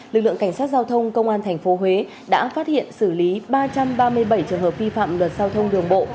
lực lượng cảnh sát giao thông công an tp huế đã phát hiện xử lý ba trăm ba mươi bảy trường hợp vi phạm luật giao thông đường bộ